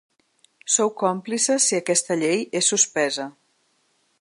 Sou còmplices si aquesta llei és suspesa.